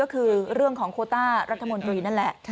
ก็คือเรื่องของโคต้ารัฐมนตรีนั่นแหละ